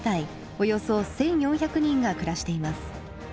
およそ１，４００人が暮らしています。